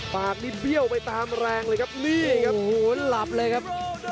ปากนี้เบี้ยวไปตามแรงเลยครับนี่ครับโหหลับเลยครับ